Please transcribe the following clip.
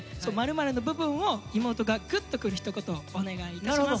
○の部分を妹がグッとくるひと言をお願いいたします。